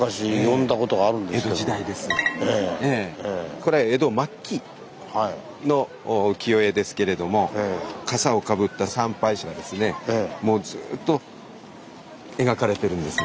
これ江戸末期の浮世絵ですけれどもかさをかぶった参拝者ですねもうずっと描かれてるんです。